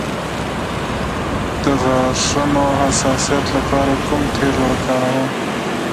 د غاښونو د حساسیت لپاره کوم تېل وکاروم؟